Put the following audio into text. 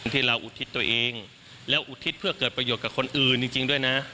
อุทิศตัวเองแล้วอุทิศเพื่อเกิดประโยชน์กับคนอื่นจริงด้วยนะ